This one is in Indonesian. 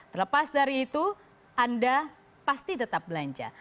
terlepas dari itu anda pasti tetap belanja